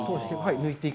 抜いていく。